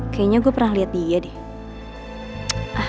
kayaknya gue pernah lihat dia deh